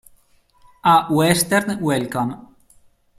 A Western Welcome